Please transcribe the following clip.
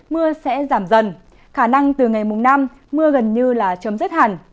mưa sẽ giảm dần khả năng từ ngày mùng năm mưa gần như là chấm dứt hẳn